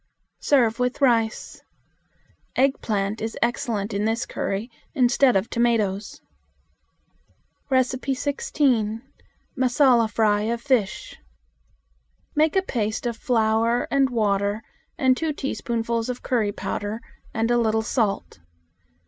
Serve with rice. Eggplant is excellent in this curry instead of tomatoes. 16. Massala Fry of Fish. Make a paste of flour and water and two teaspoons of curry powder and a little salt.